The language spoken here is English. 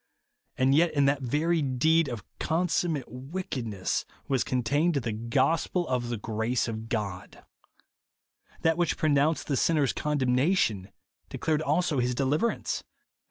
And yet in that very deed of consummate wickedness was contained the gospel of the grace of God . That which o 2 162 INSENSIBILITY. pronounced the sinner's condemnation, de clared also his deliverance.